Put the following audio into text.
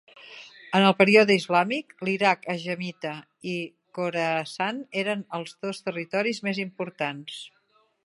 En el període islàmic, l'Iraq ajamita i Khorasan eren els dos territoris més importants.